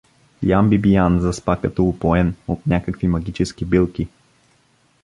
Ян Бибиян заспа като упоен от някакви магически билки.